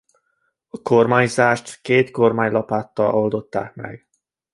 A kormányzását két kormánylapáttal oldották meg.